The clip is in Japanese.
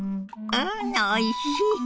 うんおいしい。